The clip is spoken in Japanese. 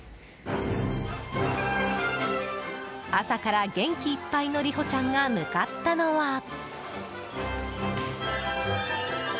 朝から元気いっぱいのりほちゃんが向かったのは。